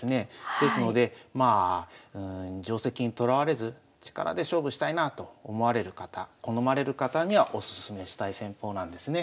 ですのでまあ定跡にとらわれず力で勝負したいなあと思われる方好まれる方にはおすすめしたい戦法なんですね。